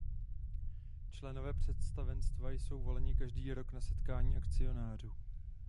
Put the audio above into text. Členové představenstva jsou voleni každý rok na setkání akcionářů.